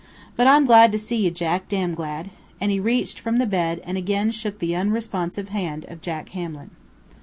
"But I'm glad to see you, Jack, damn glad," and he reached from the bed, and again shook the unresponsive hand of Jack Hamlin.